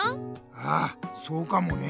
ああそうかもね。